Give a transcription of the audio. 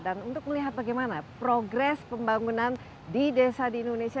dan untuk melihat bagaimana progres pembangunan di desa di indonesia